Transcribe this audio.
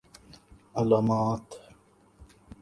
علامات